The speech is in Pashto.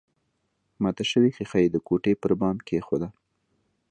ماته شوې ښيښه يې د کوټې پر بام کېښوده